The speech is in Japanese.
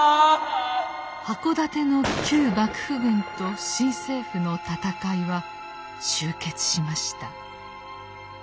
箱館の旧幕府軍と新政府の戦いは終結しました。